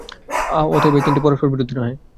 অতএব এই তিনটি পরস্পর-বিরোধী নহে।